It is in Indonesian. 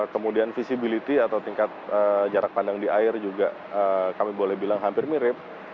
kemudian visibility atau tingkat jarak pandang di air juga kami boleh bilang hampir mirip